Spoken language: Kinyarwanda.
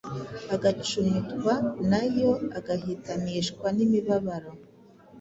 agacumitwa na yo, agahetamishwa n’imibabaro.